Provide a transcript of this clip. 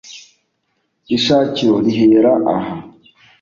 ishakiro rihera aha